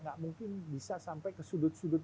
nggak mungkin bisa sampai ke sudut sudut